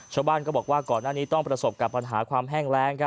ชาวบ้านก็บอกว่าก่อนหน้านี้ต้องประสบกับปัญหาความแห้งแรง